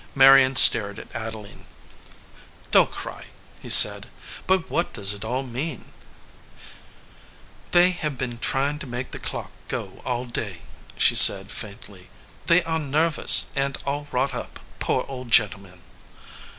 Marion stared at Adeline. "Don t cry," he said ; "but what does it all mean ?" "They have been trying to make the clock go all day," she said, faintly. "They are nervous, and all wrought up, poor old gentlemen."